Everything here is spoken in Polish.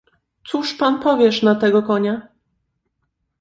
"Cóż pan powiesz na tego konia?"